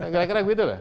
kira kira gitu lah